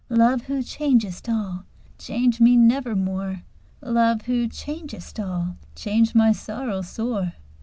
Love, who changest all, change me nevermore! "Love, who changest all, change my sorrow sore!"